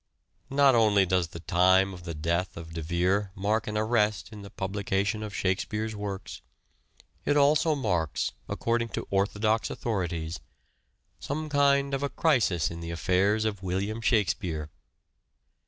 Not only does the time of the death of De Vere rnark an arrest in the publication of " Shakespeare's " works, it also marks, according to orthodox authorities, some kind of a crisis in the affairs of William Shak spere.